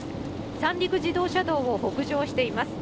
三陸自動車道を北上しています。